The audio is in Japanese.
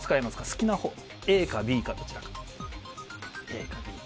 好きなほうでＡかＢか、どちらか。